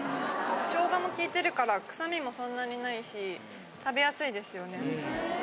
ショウガもきいてるから臭みもそんなにないし食べやすいですよね。